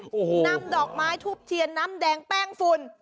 โอ้โหนำดอกไม้ทูบเทียนน้ำแดงแป้งฝุ่น